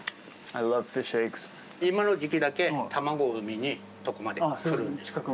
今の時期だけ卵を産みにそこまで来るんです。